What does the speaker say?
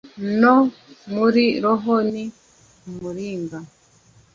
no muri roho ni umuringa